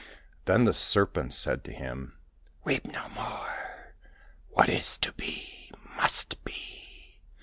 Then the Serpent said to him, " Weep no more. What is to be, must be.